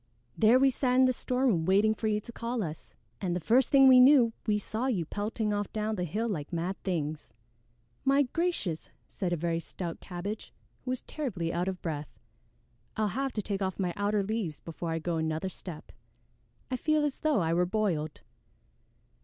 "There we sat in the storeroom waiting for you to call us, and the first thing we knew we saw you pelting off down the hill like mad things." "My gracious!" said a very stout Cabbage, who was terribly out of breath, "I'll have to take off my outer leaves before I go another step. I feel as though I were boiled."